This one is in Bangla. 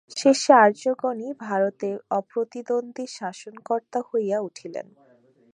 শেষে আর্যগণই ভারতে অপ্রতিদ্বন্দ্বী শাসনকর্তা হইয়া উঠিলেন।